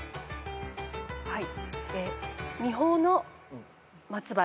はい。